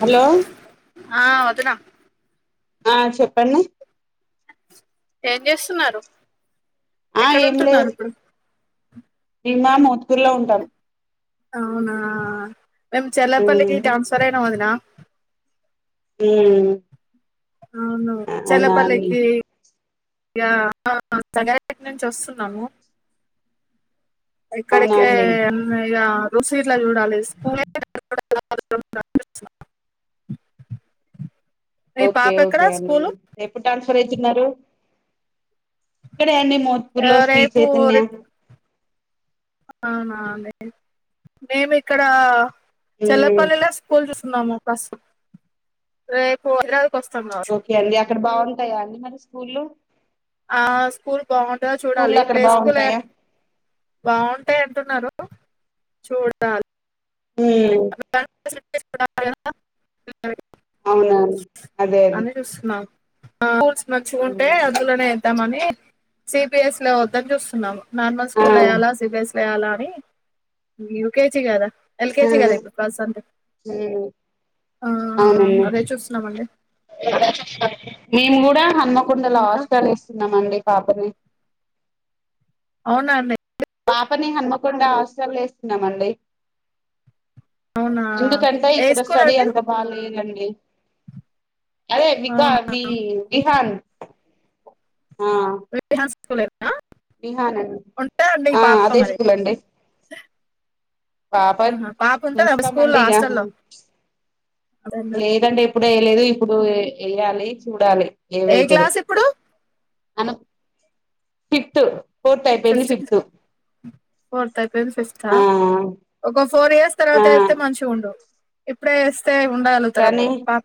Hello. ఆ వదిన. ఆ చెప్పండి. ఏం చేస్తున్నారు ఎక్కడ ఉంటున్నారు ఇప్పుడు. మేమ మోత్కూర్ లో ఉంటాం. మేము చెల్లపల్లికి మ్మ్ ట్రాన్స్ఫర్ అయిన వదిన. ఉమ్. ఆహ చర్లపల్లికి. ఇగ జగతి నుంచి వస్తున్నాము. అవునా ఎక్కడికె అండి ఇంగా ఇ రుషిర్ల చూడాలి స్కూల్. మీ ఓకే పాప ఎక్కడ ఓకే స్కూలు ఎప్పుడు ట్రాన్స్ఫర్ అవుతున్నారు. అదె అండి ఆ మోత్పూర్లో శ్రీ రేపు చైతన్య. రేపు మేమిక్కడ మ్మ్ చెల్లపల్లిలా స్కూల్ చూస్. కున్నాము మస్ రెపు. ఓకే అండి అక్కడ బాగుంటాయా అండి మరి స్కూల్లు. ఆ స్కూల్ బాగుంటందో స్కూల్లు చూడాలి అక్కడ ప్లే స్కూలే. బాగుంటాయా బాగుంటాయి అంటున్నారు చూడాలి. మ్మ్ అవునా అండి అదే అదే అని చూస్తున్నారు. స్కూల్స్ మంచిగుంటే ఉమ్ అందులోనే ఇద్దామని సిబిఎస్ లో వద్దాని చూస్తున్నాము. నార్మల్ ఆ స్కూల్ లా వేయ్యాలా సిబిఎస్ వేయ్యాలా అని యూకేజీ కదా. ఎల్కెజి కద మ్మ్ ఇప్పుడు కలిసొంది. అవును. మేము కూడా హన్మకొండలొ ఇంకా హాస్టలు చుస్తున్నాము అండి పాపకి. అవున అండి. పాపని హన్మకొండ హాస్టల్లో వేస్తున్నామండి. అవునా ఎందుకంటే ఏ ఇక్కడ స్కూల్ స్టడీ అండి అంత బాగాలేదండి. అదే వికా అవునా వి విహాన్. ఆ ఎఫ్బి ఆన్ స్కూల్ అండ్. ఈ ఆ పాప అదే మరి స్కూల్ అండి. బాబోయ్ ఆహా, పాప ఉంటుందా చూస్తామండి స్కూల్లో ఇగ. హాస్టల్లో లేదంటే ఇప్పుడే లేదు ఇప్పుడ్. ఇప్పుడు వేయాలి చూడాలి ఏ ఏవైతుదో. క్లాస్ ఇప్పుడు ఫిఫ్త్. పూర్తయిపోయింది ఫిఫ్త్. ఫోర్త్ అయిపోయింది ఫిఫ్తా ఒక ఫోర్ ఇయర్స్ ఆ తర్వాత అయితే మంచిగా ఉండు ఇప్పుడే. ఏస్తే ఉండగలుగుతారా కానీ పాప.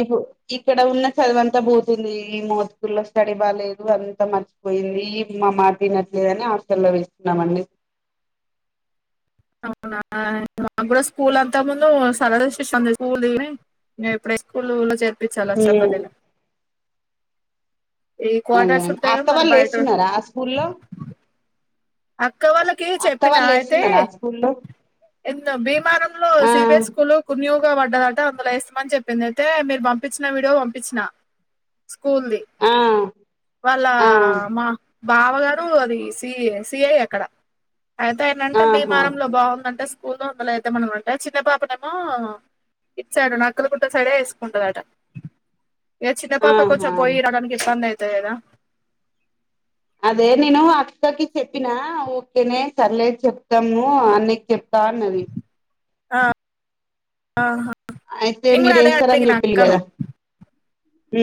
ఇప్పుడు ఇక్కడ ఉన్న చదువంతా పోతుంది మోత్కూర్ లో స్టడీ బాలేదు అంతా మర్చిపోతు. పోయింది మా మరిది తినట్లేదని హాస్టల్లో వేసినమ్మండి. అవునా [unintelligible] చాలా చెప్పాలి ఇలా ఏ అదే క్వార్టర్స్ అండి. ఉంటాయి కదా అక్క మరి వాళ్ళు బయట వేస్తున్నారా ఆ స్కూల్లో అక్క వాళ్ళకి అక్క చెప్పినా వాళ్ళు అయితే వేస్తున్నారా ఆ స్కూల్లో ఎంద భీమారంలో ఆ సిబిఎస్ స్కూలు కున్ని న్యూ గా పడ్డదట అందులో ఇస్తామని చెప్పింది అయితే మీరు పంపించిన వీడియో పంపించిన స్కూల్ది ఆ వాళ్ళ ఆ మా బావ గారు అది సిస్ సి ఐ అక్కడ అయితే ఏంటంటే ఆహా భీమారంలో బాగుందంట స్కూల్ స్కూల్లో ఉండాలి అయితే మనం ఉంటే చిన్న పాపనేమో ఇటు సైడ్ నక్కలు కుట్ట సైడే వేసుకుంటదట ఇగ చిన్న పాప కొంచెం ఆహా పోయి రావడానికి ఇబ్బంది అయితది కదా అదే నేను అక్కకి చెప్పినా ఓకేనే సర్లే చెప్తాము అన్నయ్యకి చెప్తా అన్నది ఆ ఆహా అయితే నేను కూడా మీరు అదే వేస్తారని అడిగిన చెప్పిలి అక్కను కదా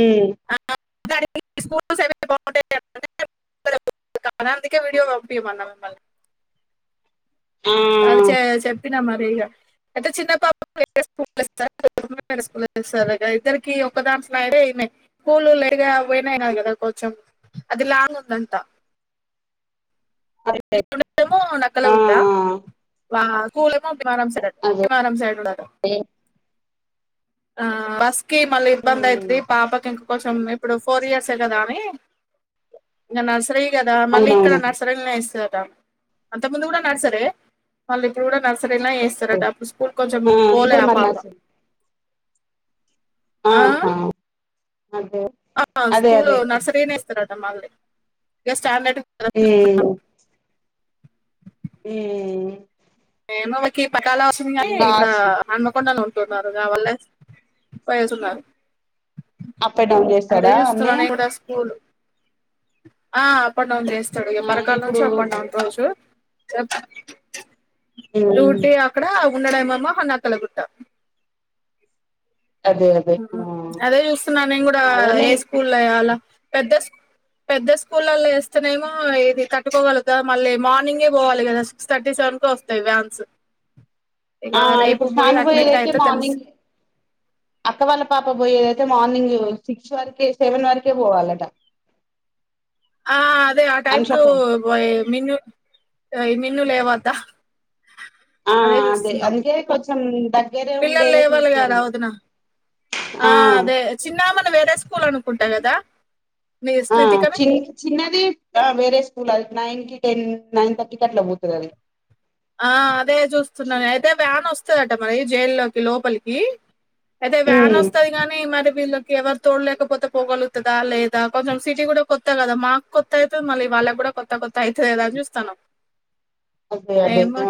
ఉమ్ [unintelligible] ఆ అది చె చెప్పినా మరి ఇగ [unintelligible] కోళ్లు లేకపోయినా కదా కొంచెం అది లాంగ్ ఉంది అంట [unintelligible] [inaudible] అదే ఆ ఆ అదే బస్కి మళ్ళీ ఇబ్బంది ఉమ్ అయితది పాపకి ఇం కొంచెం ఇప్పుడు ఫోర్ ఇయర్సే కదా అని ఇంకా నర్సరీ కదా మళ్ళీ ఇక్కడ అవునవును నర్సరీ అంత ముందు కూడ నర్సరీ వాళ్ళు ఇప్పుడు కూడా నర్సరీ సరే ఏస్తారట అప్పు స్కూల్ కొంచం ఆ పోలే ఇప్పుడు అ మరి నా పాప ఆ ఆహా అదే అదే స్కూల్ అదే నర్సరీనే ఇస్తారట మళ్ళీ ఇక స్టాండర్డ్ ఈ [unintelligible] ఈ [inaudible] ఇంగా కొన్నాళ్లు కావాలి వయసు ఉన్నారు అప్ అండ్ డౌన్ అదే చేస్తాడా చూస్తున్నా అన్నయ్య నేను కూడా స్కూల్ ఆ అప్ అండ్ డౌన్ వేస్తాడు ఇ ఆ పరకాల నుంచి ఇప్పుడు అప్ అండ్ డౌన్ రోజు ఉమ్, డ్యూటీ అక్కడ ఉండడమేమో నక్కలగుంట అదే అదే ఆ అదే చూస్తున్నా నేను కూడా అదే ఏ మేం స్కూల్ అయ్యాల పెద్ద పెద్ద స్కూల్ల్లో వేస్తేనేమో ఇది తట్టుకోగలుగుతాదా మళ్ళీ మార్నింగే పోవాలి కదా సిక్స్ థర్టీ సెవెన్ కే వస్తాయి వ్యాన్స్ ఇక ఆ రేపు ఇప్పుడు పోయి సానుభ అడ్మిట్ ఏదైతే అయితే తెలుసు మార్నింగ్ అక్క వాళ్ళ పాప పోయేదైతే మార్నింగ్ సిక్స్ వరకే సెవెన్ వరకే పోవాలట [inaudible] ఆ అదే ఆ టైం కు అనుషకు మిన్ను ఈ మిన్ను లేవద్దా ఆ అదే అందుకే కొంచెం దగ్గరే పిల్లలు ఉండేదే లేవాలగా చూసుకోండి వదినా ఆ అదే చిన్నమని వేరే స్కూల్ కూర వండుకుంటలేద ఆ చి చిన్నది ఆ వేరే స్కూల్ నైన్కి టెన్ నైన్ తర్టీ కట్ల పోతదది ఆ అదే చూస్తున్నాను అయితే వ్యాన్ వస్తుందట మరి జైల్లోకి లోపలికి అయితే వ్యాన్ ఉమ్ వస్తది గాని మరి వీళ్ళకి ఎవరు తోడ లేకపోతే పోగలుగుతుందా లేదా కొంచెం సిటీ కూడ కొత్త కదా మాకు కొత్త అయితే మళ్ళీ వలగుడ [unintelligible] అయితది కదా ఆని చుస్తన్నం అదే అదే ఆ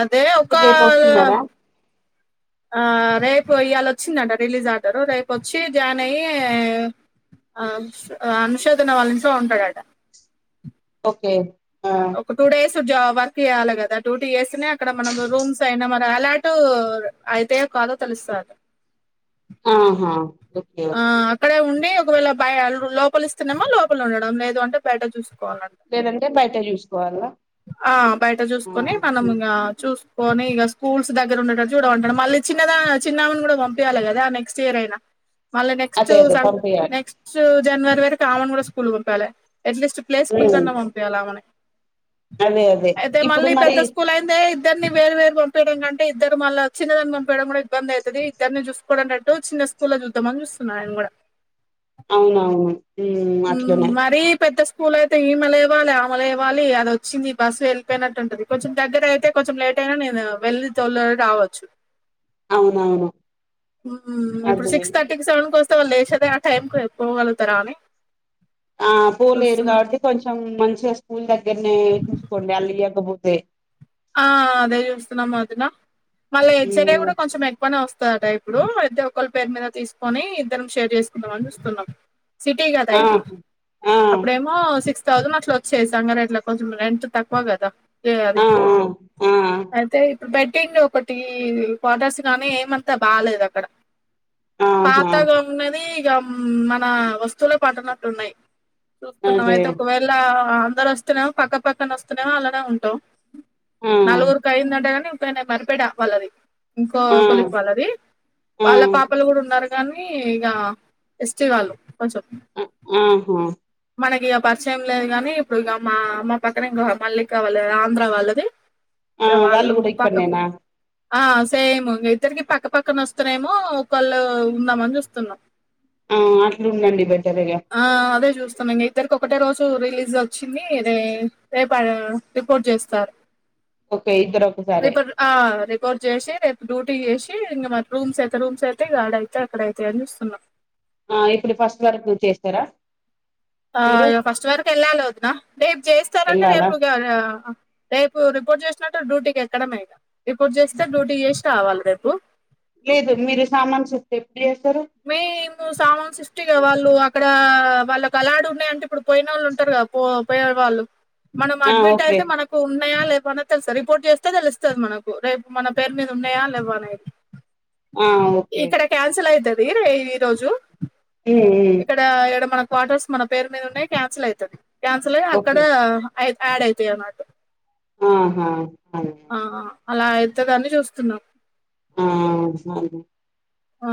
అదే ఇప్పుడు ఒకా రేపు వస్తున్నారా ఆ రేపు ఇవాళ వచ్చిందంట రిలీజ్ ఆడారు రేపోచ్చి జాయిన్ అయ్యి ఆ అనుషధన వాళ్ళ ఇంట్లొ ఉంటాడట ఓకే ఆ ఒక టూ డేస్ వర్క్ చేయాలి కదా డ్యూటీ చేస్తనే అక్కడ మనం రూమ్స్ అయినా మరి అలాటు అయితే [unintelligible] తెలుస్త ఆహా ఓకే ఆ ఓకే అక్కడే ఉండి ఒకవేళ బయ లోపలి ఇస్తున్నామా లోపల ఉండడం లేదు అంటే బయట చూస్ లేదంటే బయట చూసుకోవాల ఆ బయట చూసుకొని మనము ఇంగా చూ ని ఇక స్కూస్ల్ దగ్గర ఉన్నటట్టు చూడంమంటాడు మళ్ళీ చిన్నదా చిన్నమని కూడా పంపించాల కదా నెక్స్ట్ ఇయర్ అయినా మళ్ళీ నెక్స్ట్ అదే అదే పంపియాలి నెక్స్ట్ జనవరి వరుకు ఆమన్ కూడా స్కూల్కి [unintelligible] అట్లీస్ట్ ప్లేస్కల్ ఉమ్ కన్నా పొంపియల వాన్ని అదే అదే అయితే ఇప్పుడు మళ్ళీ మరి పెద్ద స్కూల్ అయిందే ఇద్దరిని వేరు వేరు పంపయడం కంటే ఇద్దరు మళ్ళ చిన్నదాని పంపించడం కూడా ఇబ్బంది అవుతుది ఇద్దరిని చూసుకోవడం అంటు చిన్న స్కూల్ చూద్దామని చూస్తున్నా ఆయన కూడ అవునవును ఉమ్ హు అట్లనే మరి పెద్ద స్కూల్ అయితే ఇమ లేవాలి ఆమా లేవాలి వచ్చింది బస్సు వెళ్ళిపోయినట్టు ఉంటది కొంచెం దగ్గర అయితే కొంచెం లేట్ అయినా నేను వెళ్ళ తోలి రావచ్చు అవునవును ఇప్పుడు అదే సిక్స్ థర్టీకి సెవెన్ కొస్ లేసేదే ఆ టైంకి పోగలుగుతారా అని ఆ పోలేరు చూస్తున్నా కాబట్టి కొంచెం మ స్కూల్ దగ్గర్నే చూసుకొండి వాళ్ళు [unintelligible] ఆ అదే చూస్తున్నాం వదిన మళ్ళీ [unintelligible] ఉమ్ కూడా కొంచెం ఎక్కువ [unintelligible] టైప్ ఇప్పుడు పెద్ద ఒకరి పేరు మీద తీసుకొని ఇద్ధరం షేర్ చేసుకుందాం అని చూస్తున్నాం సిటీ కదా ఆ ఇది ఆ అప్పుడేమో సిక్స్ [unintelligible] అట్లా వచ్చే [unintelligible] ఇట్లా కొంచెం ఎంత తక్కువ కదా ఏ ఆ అది ఆ ఆ అయితే బెడ్డింగ్ ఒకటి క్వార్టర్స్ గానీ ఏమంత బాలేదు అక్కడ ఆహా పాతగున్నది ఇక మన వస్తువులో పట్టనట్టు ఉన్నాయి చూస్తున్నాం అదే అయితే ఒకవేళ అందరు వస్తునేమో పక్క పక్కన వస్తున్నామో అలానే ఉంటావు ఆ నలుగురికి అయిందంటే గానీ ఒకాయనా మరిపెడా వాళ్ళది ఇంకో ఆ కొలికి వాళ్ళది ఆ వాళ్ళ పాపలు కూడా ఉన్నారు కానీ ఇగా ఎస్టిలు వాళ్ళు కొంచం ఆహా మనకి పరిచయం లేదు గాని ఇప్పుడు ఇక మా అమ్మ పక్కన ఇంకా మల్లిక వాళ్ళ ఆంధ్ర వాళ్ళది ఆ ఇగ వాళ్ళు కూడా పాక ఇక్కడనేనా ఆ సేమ్ ఇంకా ఇద్దరికి పక్క పక్కన వస్తున్నామో ఒకళ్ళు ఉందామని చూస్తున్నాం ఆ అట్లు ఉండండి బే ఆ అదే చూస్తాన్న ఇంగ ఇద్దరకి ఓ ఒకటే రోజు రిలీజ్ వచ్చింది రే రేపు రిపోర్ట్ చేస్తారు ఓకే ఇద్దరు ఒకసారే రిపో ఆ రిపోర్డ్ చేసి రేపు డ్యూ టి చేసి ఇంకా మా రూమ్స్ అయితే రూమ్స్ అయితే గాడ అయితే అక్కడ అయితాయి అని చూస్తున్నా ఆ ఇప్పుడు ఫస్ట్ వరకు చేస్తారా మీరు ఆ ఫస్ట్ వరకు వెళ్ళాలి వదిన రేపు చేస్తారంటే వెళ్ళాలా రేపు గా రేపు రిపోర్ట్ చే నట్టు డ్యూటీకి ఎక్కడమే ఇగ ఇప్పుడు చేస్తే డ్యూటీ చేసి రావాలి రేపు లేదు మీరు సామాన్ షిఫ్ట్ ఎప్పుడు చేస్తారు ఉ సామాను సృష్టిగా వాళ్ళు అక్కడ వాళ్ళకి అలాడు ఉన్నాయంటే ఇప్పుడు పోయిన వాళ్ళు ఉంటారు కదా పో పోయే వాళ్ళు మనం ఆ అడ్మిట్ ఓకే అయితే మనకు ఉ ఉన్నాయా లేవ అ తెలుసా రిపోర్ట్ చేస్తే తెలుస్తది మనకు రేపు మన పేరు మీద ఉన్నాయా లేవ అనేది ఆ ఓకే ఇక్కడ క్యాన్సల్ అయితది రే ఈ రోజు ఉమ్ ఉమ్ ఇక్కడ ఇడ మన క్వార్టర్స్ మన పేరు మీద ఉన్నాయి క్యాన్సిల్ అయతది క్యాన్సిల్ అయి అక్కడ ఓకే అయ యడ్ అయితయ్ అన్నట్టు ఆహా ఆ అలా అయితదనీ చూస్తున్నా ఆ స ఆ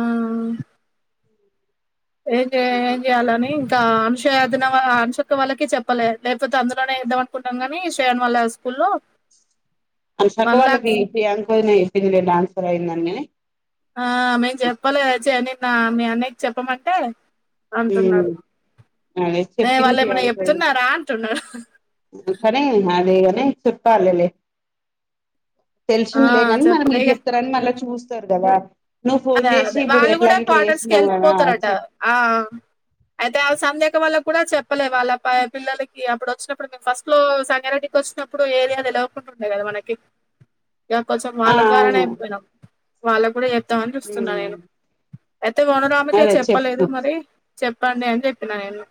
ఏంజె ఏం చేయ్యాలని ఇంకా అంశ వదిన అనుశ అక్క వాళ్ళకి చెప్పలే లేకపోతే అందులోనే చేద్దామ అనుకుంటన్నాం గాని శ్రేయాన్ వాళ్ళ స్కూల్ లో అనూష అక్క వాళ్ళకి ప్రియాంక వదిన చెప్పిందిలే టాన్స్పర్ అయిందనీ ఆ మేము చెప్పాలే చే నిన్న మీ అన్నయకి చెప్పమంటే ఉమ్ అంటున్నారు అదే చెప్పింది ప్రియాంక వదిన అంటున్నాడు కానీ అదే కాని చెప్పలీలే ఆ తెలిసిందిలే గాని మరీ చెప్పలే మీరు ఇగ చెప్తారని మళ్ళీ చూస్తారు కదా నువ్వు ఫోన్ అదే చేసి అదే ఇప్పుడు వాళ్ళు ఎట్లా కూడా ఇట్లా క్వార్టర్స్కి చేస్తున్నావు కదా వెళ్ళిపోతారట చెప్ ఆ అయితే ఆ సంధ్య అక్క వాళ్ళ కూడా చెప్పలే వాళ్ళ పిల్లలకి అప్పుడు వచ్చినప్పుడు మేము ఫస్ట్ లో సంగారెడ్డి కి వచ్చినప్పుడు ఏరియా తేల్వకుండా ఉండే కదా మనకి ఇగ కొంచెం ఆ వాళ్ళ ద్వారానే అవును అయిపోయినాం వాళ్ళ కూడా చే ద్దామని చూస్తున్నా నేను అయితే ఓనర్ ఆమెకే అదే చెప్పలేదు చెప్పు మరి చెప్పండి అని చెప్పిన నేను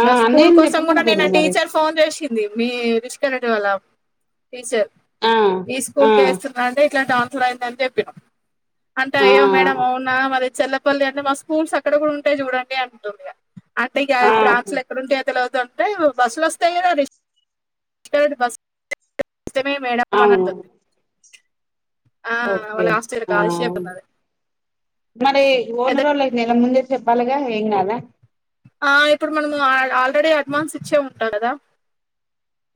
ఆ స్కూల్ అన్నయ్యని కోసం కూడా చెప్పమను పోయినా నిన్న మరి టీచర్ ఫోన్ చేసింది మీ రిషికా నటి వాళ టీచర్ ఆ ఈ ఆ స్కూల్ క వేస్తున్నాంటే ఇట్లాంటి టాన్స్పర్ అయిందని చెప్పినం అంటే ఆ అయ్యో మేడం అవునా మరి చెల్లపల్లి అంటే మా స్కూల్స్ అక్కడ కూడా ఉంటాయి చూడండి అంటుంది ఇగ అంటే గా ఆ బ్రాంచులు ఎక్కడంటే [unintelligible] అంటే ఈ బస్ వస్తాయ్ కదా రీ బస్ వస్తే మీ మేడం మన అవును అంటుంది ఆ ఓకే వాళ్ళ హాస్టల్ ఆ కాలేజ్ చెప్తున్నది మరి అదే ఓనర్ వొళ్ళకి నెలా ముందే చెప్పాలిగా ఏం కాదా ఆ ఇప్పుడు మనము ఆ ఆల్రెడీ అడ్వాన్స్ ఇచ్చే ఉంటాం కదా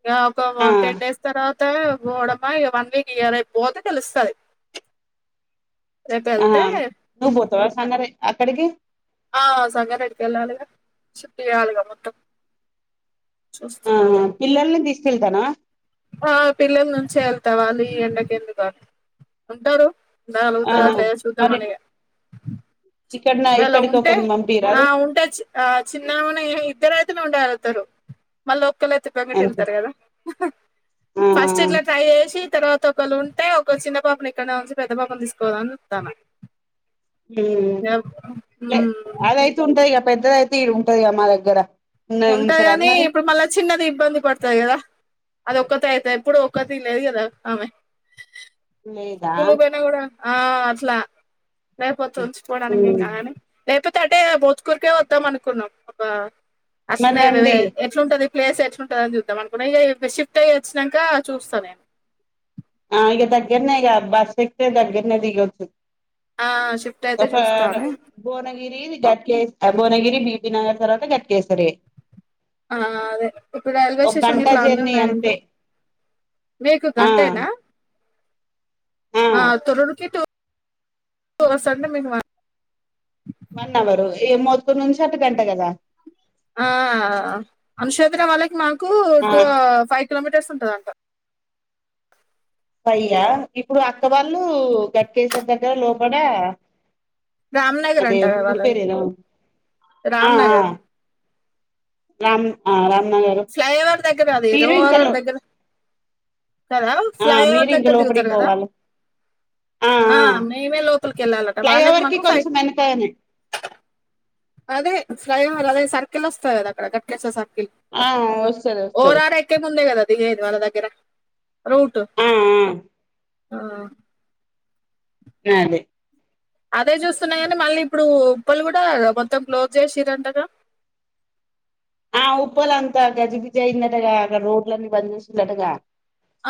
ఇక ఒక ఆ టెన్ డేస్ తర్వాత త్త పోవడమా ఇగ వన్ వీక్ ఇయర్ అయిపోతే తెలుస్తది రేపు వెళ్తే ఆమ్ నువ్, బొతవా, సాంగ రె, అక్కడికి. ఆ సంగారెడ్డికి, ఎళ్ళాలిగా, షిఫట్ జెయాలిగా, మొత్తం. చూస్తున్న, గ ఆహా పిల్లల్ని తీసుకెళ్తానవా ఆ పిల్లల, నుంచె, ఎళ్. తవాలి, ఈ ఎండకెందుకు, కా ఉంటాడు. దా అలుగుతా, అ ఆహా లే చూతా, మరి మనయే. ఇక్కడ నా ఒకవేళ, ఇక్కడికి ఉంటే, ఒకరిని ఆ పంపిరాదు ఉంటే, చ్చి ఆ చిన్నమనే, ఇగ ఇద్దరె. ఉత్తినే ఉండగలుగుతారు, మల్లోక్కలైతే, ప్రవేట్ అనుకు ఎళ్తారు గదా. ఆ ఫస్ట్ ఇట్లా, ట్రై యేషి, తర్వాత, ఒకళ్ళుటే, ఒక చిన్న, పా. ఇప్పును, ఇక్కనే ఉంచి, పెద్ద, పాపను, తీసుకుపోదామని, జూత్తన్న. ఉహు ఎ ఉమ్ అదైతే, ఉంటదిగాద, పెద్దదయితే, ఇడుంటాది గద మా దగ్గర. ఉన్నది ఉంటది ఉంచరాదు గనీ, మరి ఇప్పుడు మళ్ళ, చిన్నది, ఇబ్బంది, పడ. అంతే గద, అది ఒక్కతైతే, ఎప్పుడు, ఒక్క తినది గద ఆమె. లేదా. స్కూల్ పోయినా కూడా ఆ అట్లా, లేపోతే, ఓచ్చిపోడానికి, ఎం హ్మ్ కాదని, లేకపోత్. చ్చటే, బోజ్కురికే, వొతం అనుకున్నాం, ఒక మరి అసనేవె, వే రండి ఎట్లుంటది. ప్లేస్ ఎట్లుంటదో, జూద్దాం, అనుకునే, ఇగ ఫెషిఫ్ట్య్య, వొచ్చినక్క, చూస్తా, నేను. ఆ ఇగ, దగ్గరనేే, ఇగ బస్, ఎక్తే, దగ్గరనేే, దిగొచ్చు. ఆ షిఫ్ట్ అయితే ఒక అ న చూస్తాను భువనగీరిది. గడ్కే స్ అ భువనగిరి, బిపి, నగర్, తర్వాత, గడ్కేసరె. ఆ అదే, ఇప్పుడు, రైల్వే ఒక స్టేషన్, గంట గిట్ల, అన్ని, జర్నీ ఉన్నాయంట. అంతే మీకు ఆ గంటేనా. ఆ తరుడుకి, తు ఓ వ సనద మిగువ. వన్ అవరు, ఇ ఏ మోత్తు, నుంచి, అటు, గంట, గదా. ఆ అనషో ఒదిన వాళ్ళకి, మాకూ టూ ఆ ఓ ఫైయి కిలోమీటర్. తెస్తుంటాదాంట. పయ్యా, ఇప్పుడు, అక్క వాళ్ళు, గట్కేసర్, దగ్గర, లోపట అ. రామ్నగర్ అంటే, అంటారు ఊరు, వాళ్ళది పేరు, ఎదో ఉ అ ఆ. రామ్నగర్ రామ్ ఆ రామ్. ఫ్లైఓవర్, దగ్గర, అదే దో రోడ్, లో దగ్గర. కదా ఆ ఫ్లై ఓవర్, మీరు ఇంక దగ్గర, దిగుతారు, లోపలికి గద. పోవాలి ఆ మేమే, లోపలికి, ఎళ్ళాలట, వాళ్ళే, ఫ్లైఓవర్ కి మాకు, ఫై. కొంచెం వెనకనే అదే ఫ్రయ్ర్ ర్, అదే, సర్కిల్, వొస్తాది, గద. అక్కడ, కట్లెసో, స. ఆ వస్తది ఓ వస్తది రా ర్ అయిట్, ముందు, గద. దిగేది, వల్ల దగ్గర, రూటు, ఆ ఆ. అ అదే. అదే, జూస్తున్న, గనీ మళ్ళీ. ఇప్పుడు, ఉప్పల్ గుడా, మొత్తం, క్లోజ్, జెసిరంట గద. ఆ ఉప్పలంతా, గజిబిజి, అయిందటగా, అక్కడ, రోడ్లన్నీ, బన్ జెషిన్లటగా.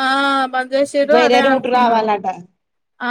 ఆ బంజేషింర్రు, అదే, రూట్ అంటున్నాయి, రావాలట ఆ.